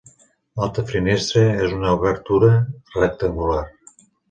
L'altra finestra és una obertura rectangular.